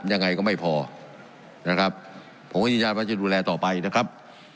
ยังไงก็ไม่พอนะครับผมก็ยืนยันว่าจะดูแลต่อไปนะครับ